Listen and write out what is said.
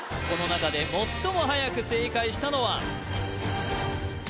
この中で最もはやく正解したのは？